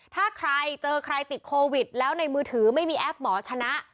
ถ้าใครเจอใครติดโควิดแล้วในมือถือไม่มีแอปหมอชนะ